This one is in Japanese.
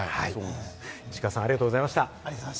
石川さん、ありがとうございました。